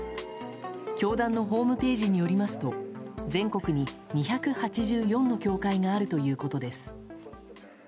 教団のホームページによりますと全国に２８４の教会があるということです。